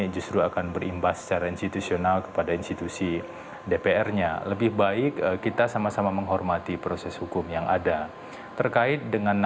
jadi itu adalah yang sangat penting